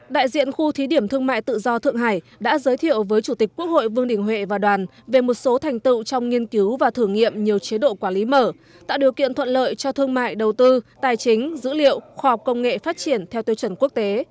đại diện khu thí điểm thương mại tự do thượng hải đã giới thiệu với chủ tịch quốc hội vương đình huệ và đoàn về một số thành tựu trong nghiên cứu và thử nghiệm nhiều chế độ quản lý mở tạo điều kiện thuận lợi cho thương mại đầu tư tài chính dữ liệu khoa học công nghệ phát triển theo tiêu chuẩn quốc tế